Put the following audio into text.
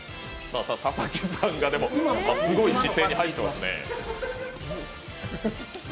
田崎さんが、でもすごい姿勢に入ってますね。